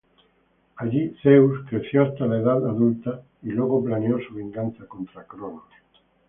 Allí Zeus creció hasta la edad adulta y luego planeó su venganza contra Cronos.